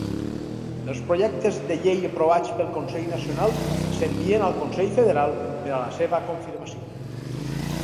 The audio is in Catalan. Els projectes de llei aprovats pel Consell Nacional s'envien al Consell Federal per a la seva confirmació.